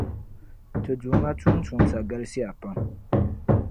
Ti duuma tuntumsa galisiya pam.